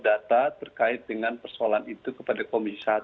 data terkait dengan persoalan itu kepada komisi satu